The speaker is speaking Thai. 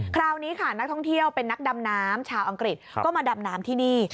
คราวนี้ค่ะนักท่องเที่ยวเป็นนักดำน้ำชาวอังกฤษก็มาดำน้ำที่นี่